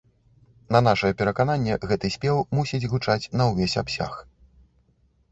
На нашае перакананне, гэты спеў мусіць гучаць на ўвесь абсяг.